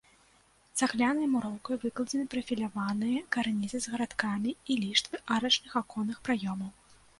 Цаглянай муроўкай выкладзены прафіляваныя карнізы з гарадкамі і ліштвы арачных аконных праёмаў.